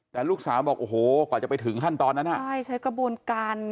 แต่ลูกสาวบอกโอ้โหก่อนจะไปถึงขั้นตอนนั้น